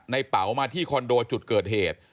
เป๋ามาที่คอนโดจุดเกิดเหตุ